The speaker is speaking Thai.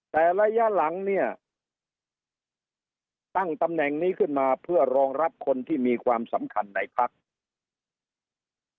แต่ระยะหลังเนี่ยตั้งตำแหน่งนี้ขึ้นมาเพื่อรองรับคนที่มีความสำคัญในภักดิ์